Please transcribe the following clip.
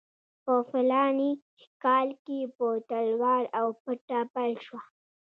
په فلاني کال کې په تلوار او پټه پیل شوه.